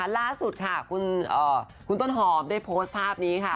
ล่าสุดค่ะคุณต้นหอมได้โพสต์ภาพนี้ค่ะ